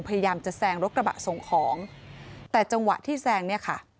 พยายามจะแซงรถกระบะส่งของแต่จังหวะที่แซงเนี่ยค่ะ